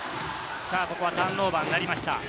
ここはターンオーバーになりました。